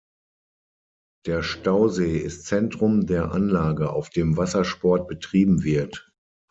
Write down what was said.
Der Stausee ist Zentrum der Anlage, auf dem Wassersport betrieben wird.